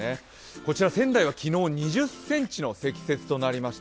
こちら仙台は２０ｃｍの積雪となりました。